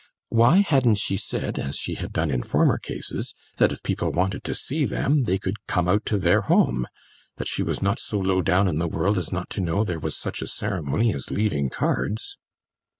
Why hadn't she said, as she had done in former cases, that if people wanted to see them they could come out to their home; that she was not so low down in the world as not to know there was such a ceremony as leaving cards?